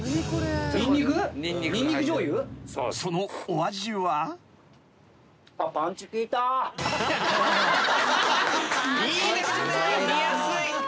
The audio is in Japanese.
［そのお味は］いいですね。